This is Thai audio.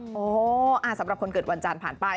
สำหรับคนเกิดวันจานผ่านไป